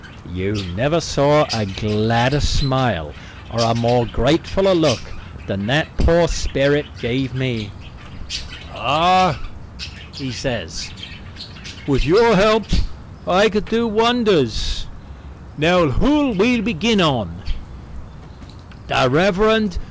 You never saw a gladder smile or a more gratefuller look than that poor sperrit gave me. "Ah," he says, "with your help I could do wonders. Now who'll we begin on?" "The Rev. Mr.